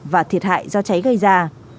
và thiệt hại do cháy gây ra